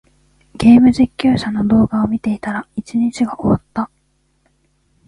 ゲーム実況者の動画を見ていたら、一日が終わった。